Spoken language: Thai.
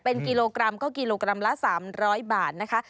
เป็นกิโลกรัมก็กิโลกรัมละ๓๐๐บาทนะคะ